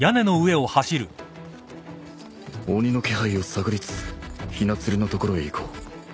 鬼の気配を探りつつ雛鶴のところへ行こう